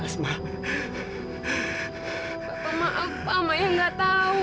bapak maaf pak maya gak tahu